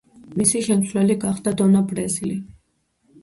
მისი შემცვლელი გახდა დონა ბრეზილი.